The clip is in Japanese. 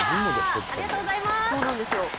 ありがとうございます。